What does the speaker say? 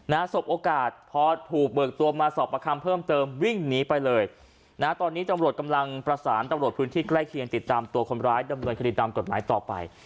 สบโอกาสพอถูกเบิกตัวมาสอบประคำเพิ่มเติมวิ่งหนีไปเลยนะฮะตอนนี้ตำรวจกำลังประสานตำรวจพื้นที่ใกล้เคียงติดตามตัวคนร้ายดำเนินคดีตามกฎหมายต่อไป